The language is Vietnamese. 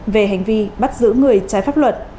về hành vi bắt giữ người trái pháp luật